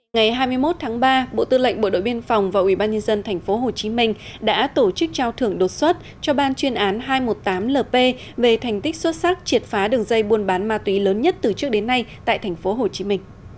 ngày hai mươi một tháng ba bộ tư lệnh bộ đội biên phòng và ubnd tp hcm đã tổ chức trao thưởng đột xuất cho ban chuyên án hai trăm một mươi tám lp về thành tích xuất sắc triệt phá đường dây buôn bán ma túy lớn nhất từ trước đến nay tại tp hcm